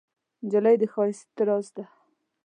نجلۍ د ښایست راز ده.